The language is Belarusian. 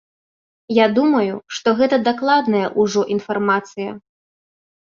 Я думаю, што гэта дакладная ўжо інфармацыя.